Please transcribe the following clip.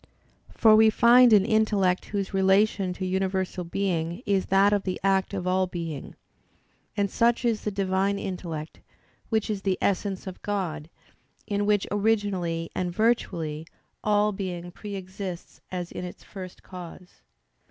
For we find an intellect whose relation to universal being is that of the act of all being: and such is the Divine intellect, which is the Essence of God, in which originally and virtually, all being pre exists as in its first cause.